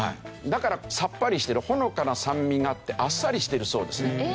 だからさっぱりしてるほのかな酸味があってあっさりしているそうです。え！